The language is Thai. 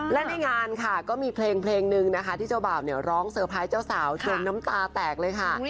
และในงานค่ะก็มีเพลงเพลงนึงนะคะที่เจ้าบ่าวเนี่ยร้องเซอร์ไพรส์เจ้าสาวจนน้ำตาแตกเลยค่ะ